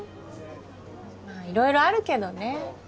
まあいろいろあるけどね。